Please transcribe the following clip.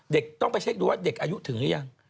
ต้องไปเช็คดูว่าเด็กอายุถึงหรือยัง